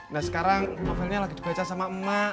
nah sekarang novelnya lagi dibaca sama emak